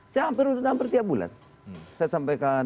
saya hampir tiap bulan saya sampaikan